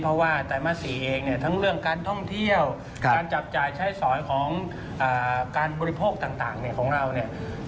เพราะว่าไตรมาส๔เองเนี่ยทั้งเรื่องการท่องเที่ยวการจับจ่ายใช้สอยของการบริโภคต่างเนี่ยของเราเนี่ย